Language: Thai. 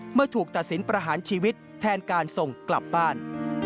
เมื่อถูกตัดสินประหารชีวิตแทนการส่งกลับบ้าน